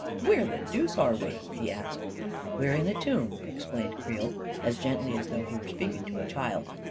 " Where the deuce are we? " he asked. " We're in a tomb," explained Creel, as gently as though he were speaking to a child.